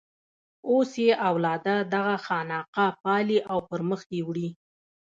اوس یې اولاده دغه خانقاه پالي او پر مخ یې وړي.